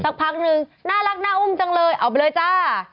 พักนึงน่ารักน่าอุ้มจังเลยเอาไปเลยจ้า